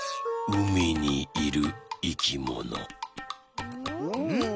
うみにいるいきもの。